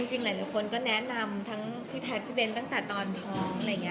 จริงหลายคนก็แนะนำทั้งพี่แททย์พี่เบ้นตั้งแต่ตอนท้อง